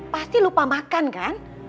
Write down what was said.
pasti lupa makan kan